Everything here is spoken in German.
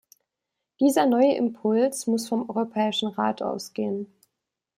Dieser neue Impuls muss vom Europäischen Rat ausgehen.